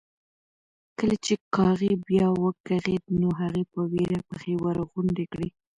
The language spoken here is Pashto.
کله چې کاغۍ بیا وکغېده نو هغې په وېره پښې ورغونډې کړې.